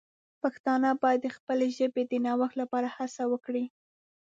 پښتانه باید د خپلې ژبې د نوښت لپاره هڅه وکړي.